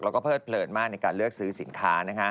แล้วก็เลิดเพลินมากในการเลือกซื้อสินค้า